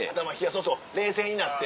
そうそう冷静になって。